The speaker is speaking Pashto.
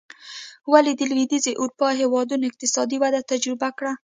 ولې د لوېدیځې اروپا هېوادونو اقتصادي وده تجربه کړه.